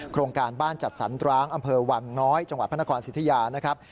โครงการบ้านจัดสรร้างอำเภอวังน้อยจังหวัดพระนครสิทธิยานะครับ